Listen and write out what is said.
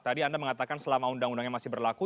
tadi anda mengatakan selama undang undangnya masih berlaku